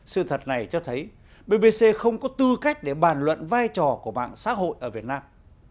sự thật này cho thấy bbc không có tư cách để bàn luận vai trò của mạng xã hội ở việt nam